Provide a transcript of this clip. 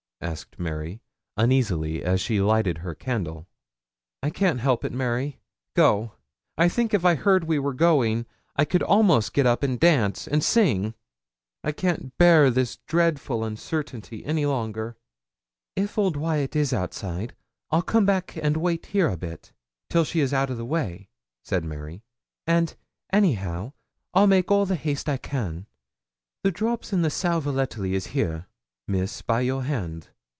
asked Mary, uneasily, as she lighted her candle. 'I can't help it, Mary. Go. I think if I heard we were going, I could almost get up and dance and sing. I can't bear this dreadful uncertainty any longer.' 'If old Wyat is outside, I'll come back and wait here a bit, till she's out o' the way,' said Mary; 'and, anyhow, I'll make all the haste I can. The drops and the sal volatile is here, Miss, by your hand.'